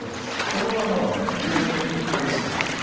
これはもう急に激しくなった。